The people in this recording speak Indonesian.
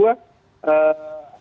dan dukungan dari pak jokowi